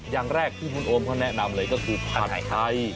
อย่างแรกที่คุณโอมเขาแนะนำเลยก็คือผัดไทย